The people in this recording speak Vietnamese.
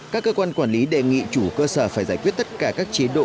các cơ quan quản lý đề nghị chủ cơ sở phải giải quyết tất cả các chế độ